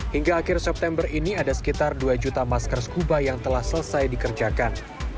hingga akhir september ini ada sekitar dua juta masker scuba yang telah selesai dikerjakan